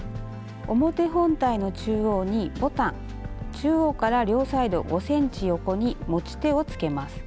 表本体の中央にボタン中央から両サイド５ｃｍ横に持ち手をつけます。